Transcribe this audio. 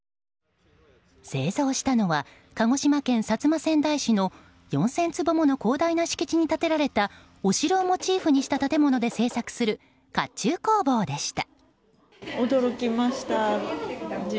製造したのは鹿児島県薩摩川内市の４０００坪もの広大な敷地に建てられたお城をモチーフにした建物で製作する甲冑工房でした。